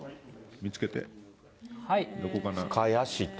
見つけて、どこかな。